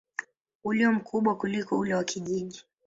ulio mkubwa kuliko ule wa kijiji.